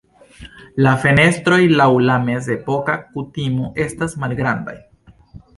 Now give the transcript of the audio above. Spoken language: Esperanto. La fenestroj laŭ la mezepoka kutimo estas malgrandaj.